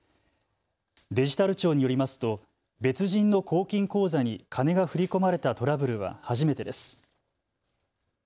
デジタル庁によりますと別人の公金口座に金が振り込まれたトラブルは初めてです。